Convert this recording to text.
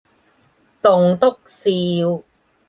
棟篤笑